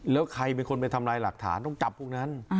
แล้วใครเป็นคนไปทำลายหลักฐานต้องจับพวกนั้น